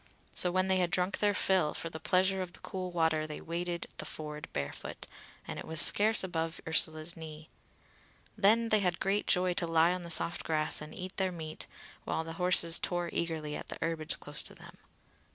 So when they had drunk their fill, for the pleasure of the cool water they waded the ford barefoot, and it was scarce above Ursula's knee. Then they had great joy to lie on the soft grass and eat their meat, while the horses tore eagerly at the herbage close to them.